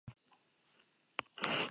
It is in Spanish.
Me caerán quince años.